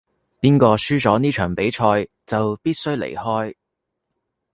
邊個輸咗呢場比賽就必須離開